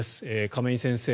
亀井先生